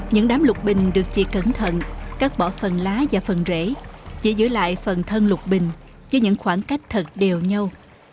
những đám lục bình được chỉ cẩn thận cắt bỏ phần lá và phần rễ chỉ giữ lại phần thân lục bình với những khoảng cách thật đều nhau